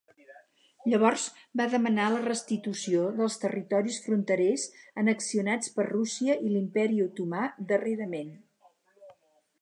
Llavors va demanar la restitució dels territoris fronterers annexionats per Rússia i l'imperi Otomà darrerament.